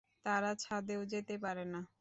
তারা ছাদেও যেতে পারে না।